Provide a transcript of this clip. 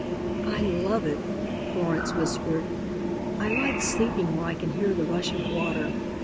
"I love it," Florence whispered. "I like sleeping where I can hear the rush of water.